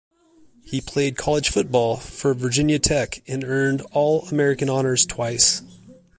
He played college football for Virginia Tech, and earned All-American honors twice.